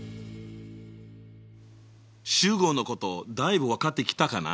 集合のことだいぶ分かってきたかな？